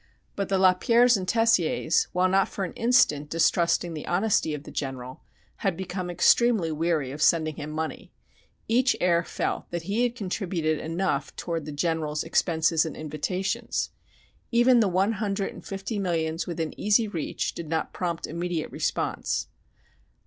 But the Lapierres and Tessiers, while not for an instant distrusting the honesty of the General, had become extremely weary of sending him money. Each heir felt that he had contributed enough toward the General's "expenses and invitations." Even the one hundred and fifty millions within easy reach did not prompt immediate response.